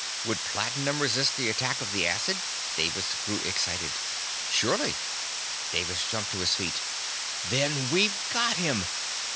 "Would platinum resist the attack of the acid?" Davis grew excited. "Surely." Davis jumped to his feet. "Then we've got him!